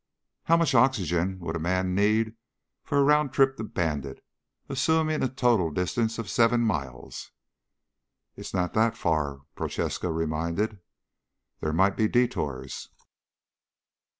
"How much oxygen would a man need for a round trip to Bandit, assuming a total distance of seven miles." "It's not that far," Prochaska reminded. "There might be detours."